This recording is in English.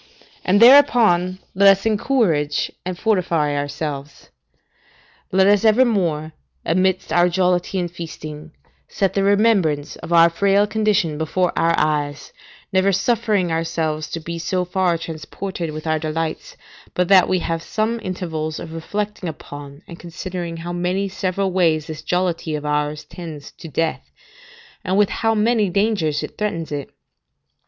and, thereupon, let us encourage and fortify ourselves. Let us evermore, amidst our jollity and feasting, set the remembrance of our frail condition before our eyes, never suffering ourselves to be so far transported with our delights, but that we have some intervals of reflecting upon, and considering how many several ways this jollity of ours tends to death, and with how many dangers it threatens it.